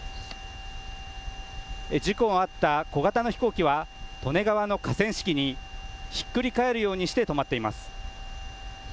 事故があった小型の飛行機は利根川の河川敷にひっくり返るようにして止まっています。